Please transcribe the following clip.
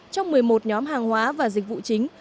trong một mươi một nhóm hàng hóa và dịch vụ chính